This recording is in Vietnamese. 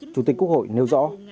chủ tịch quốc hội nêu rõ